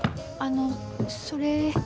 あのそれ。